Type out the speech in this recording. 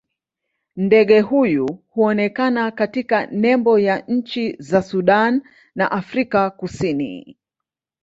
Ndege huyu huonekana katika nembo ya nchi za Sudan na Afrika Kusini.